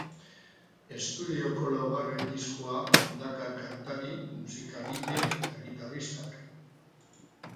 Estudioko laugarren diskoa dakar kantari, musikagile eta gitarristak.